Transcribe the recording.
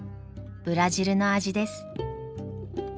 ブラジルの味です。